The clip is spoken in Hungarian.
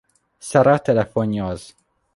Sara telefonja az.